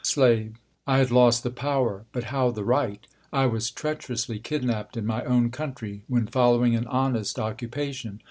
S^ave. I had lost the power, but how the right ? I was treacherously kidnapped in my own country, when following an honest occupation.